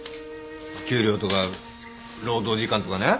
給料とか労働時間とかね。